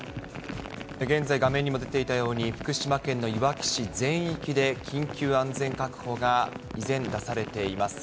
現在、画面にも出ていたように、福島県のいわき市全域で緊急安全確保が依然、出されています。